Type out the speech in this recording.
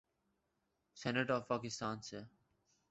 Senate of Pakistan سے۔